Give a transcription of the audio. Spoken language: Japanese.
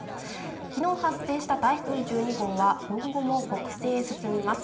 昨日発生した台風１２号は今後も北西へ進みます